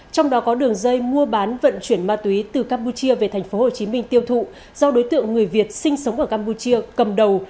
trong đó có đường dây mua bán vận chuyển ma túy từ campuchia về tp hcm tiêu thụ do đối tượng người việt sinh sống ở campuchia cầm đầu